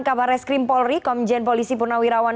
kabar reskrim polri komjen polisi purnawirawan